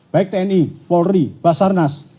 baik tni polri basarnas